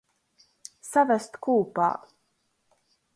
Savest kūpā.